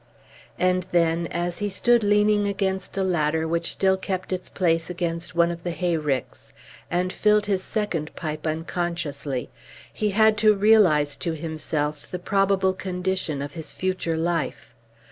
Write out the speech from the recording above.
And then, as he stood leaning against a ladder which still kept its place against one of the hay ricks, and filled his second pipe unconsciously, he had to realise to himself the probable condition of his future life.